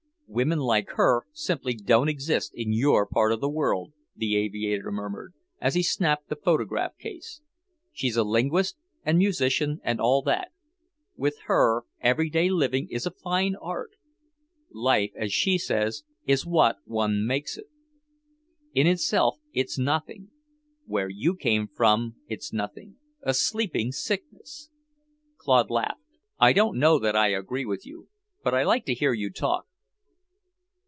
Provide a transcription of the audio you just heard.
"Women like her simply don't exist in your part of the world," the aviator murmured, as he snapped the photograph case. "She's a linguist and musician and all that. With her, every day living is a fine art. Life, as she says, is what one makes it. In itself, it's nothing. Where you came from it's nothing a sleeping sickness." Claude laughed. "I don't know that I agree with you, but I like to hear you talk."